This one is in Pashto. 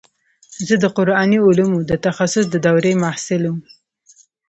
زه د قراني علومو د تخصص د دورې محصل وم.